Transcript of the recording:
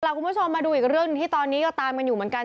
คุณผู้ชมมาดูอีกเรื่องหนึ่งที่ตอนนี้ก็ตามกันอยู่เหมือนกัน